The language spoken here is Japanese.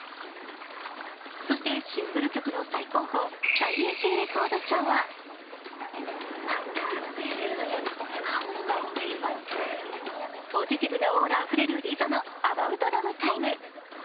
そしてシングル曲の最高峰最優秀レコード賞はポジティブなオーラあふれるリゾの「アバウト・ダム・タイム」。